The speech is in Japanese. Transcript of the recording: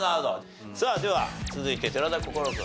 さあでは続いて寺田心君。